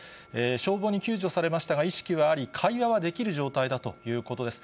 消防に救助されましたが、意識はあり、会話はできる状態だということです。